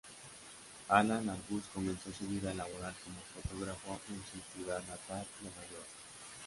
Allan Arbus comenzó su vida laboral como fotógrafo en su ciudad natal, Nueva York.